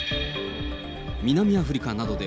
南アフリカなどで、